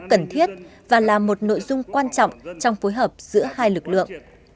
cần thiết và là một nội dung quan trọng trong phối hợp giữa hai lực lượng